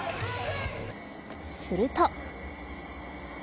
すると。